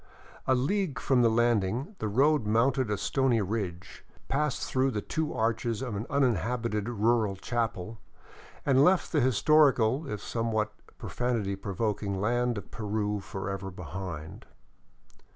A league from the landing the road mounted a stony ridge, passed through the two arches of an uninhabited rural chapel, and left the historical, if sometimes pro fanity provoking, land of Peru forever behind.